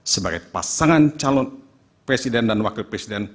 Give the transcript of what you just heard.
sebagai pasangan calon presiden dan wakil presiden